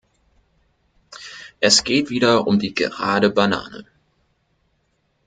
Es geht wieder um die gerade Banane!